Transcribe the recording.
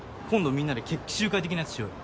みんなで決起集会的なやつしようよ。